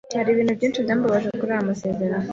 Hariho ibintu byinshi byambabaje kuri ayo masezerano.